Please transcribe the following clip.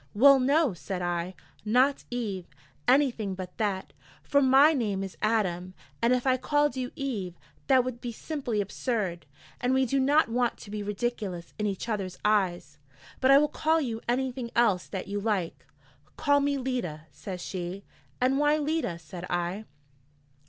'Well, no,' said I, 'not Eve, anything but that: for my name is Adam, and if I called you Eve, that would be simply absurd, and we do not want to be ridiculous in each other's eyes. But I will call you anything else that you like.' 'Call me Leda,' says she. 'And why Leda?' said I.